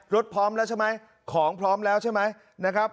พร้อมแล้วใช่ไหมของพร้อมแล้วใช่ไหมนะครับ